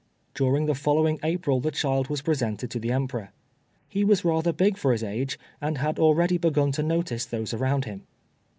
During the following April the child was presented to the Emperor. He was rather big for his age, and had already begun to notice those around him.